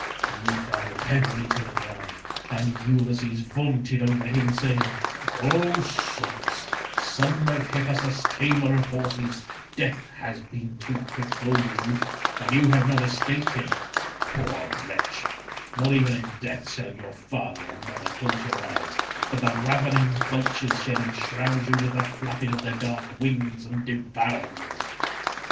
He fell heavily to the ground and Ulysses vaunted over him saying, "O Socus, son of Hippasus tamer of horses, death has been too quick for you and you have not escaped him: poor wretch, not even in death shall your father and mother close your eyes, but the ravening vultures shall enshroud you with the flapping of their dark wings and devour you.